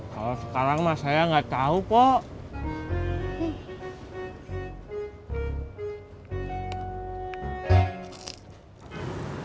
kalau sekarang mah saya gak tahu pok